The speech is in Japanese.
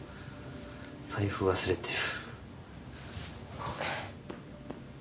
財布忘れてる。